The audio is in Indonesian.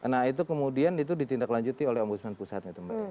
nah itu kemudian ditindaklanjuti oleh ombudsman pusat itu